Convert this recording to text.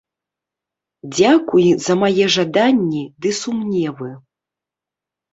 Дзякуй за мае жаданні ды сумневы.